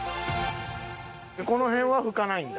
この辺は拭かないんだ。